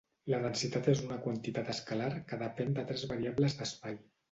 La densitat és una quantitat escalar que depèn de tres variables d'espai.